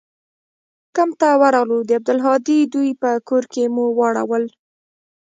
کمپ ته ورغلو د عبدالهادي دوى په کور کښې مو واړول.